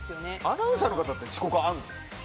アナウンサーの方って遅刻あるの？